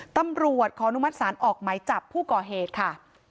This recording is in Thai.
ตำรวจขออนุมัติศาลออกไหมจับผู้ก่อเหตุค่ะ